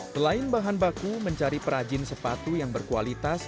selain bahan baku mencari perajin sepatu yang berkualitas